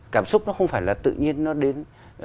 cảm xúc nó không phải là tự nhiên nó đến